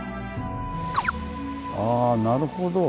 あなるほど。